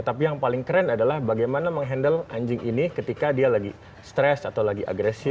tapi yang paling keren adalah bagaimana menghandle anjing ini ketika dia lagi stress atau lagi agresif